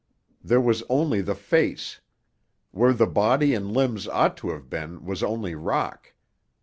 There was only the face. Where the body and limbs ought to have been was only rock.